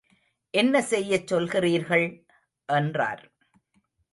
என்ன செய்யச் சொல்கிறீர்கள்? என்றார்.